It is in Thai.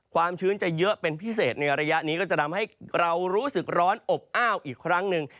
ความชื้นจะเยอะเป็นพิเศษในระยะนี้ก็จะทำให้เรารู้สึกร้อนอบอ้าวอีกครั้งหนึ่ง